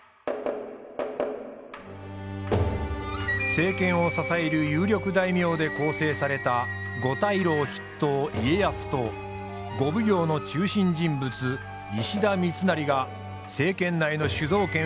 政権を支える有力大名で構成された五大老筆頭家康と五奉行の中心人物石田三成が政権内の主導権を巡り対立。